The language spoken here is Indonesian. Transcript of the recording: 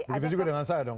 begitu juga dengan saya dong